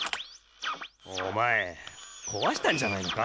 おまえこわしたんじゃないのか？